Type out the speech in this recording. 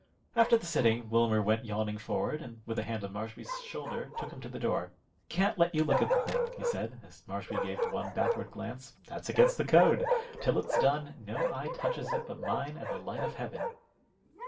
After the sitting, Wilmer went yawning forward, and with a hand on Marshby's shoulder, took him to the door. "Can't let you look at the thing," he said, as Marshby gave one backward glance. "That's against the code. Till it's done, no eye touches it but mine and the light of heaven."